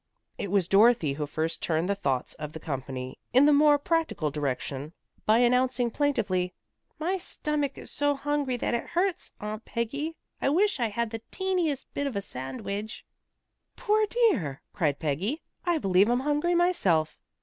It was Dorothy who first turned the thoughts of the company in the more practical direction by announcing plaintively, "My stomach is so hungry that it hurts, Aunt Peggy. I wish I had the teentiest bit of a sandwidge." "Poor dear," cried Peggy, "I believe I'm hungry myself."